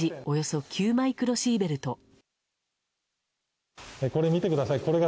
およそ９マイクロシーベルト。